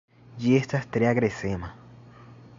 Ĝi estas tre agresema.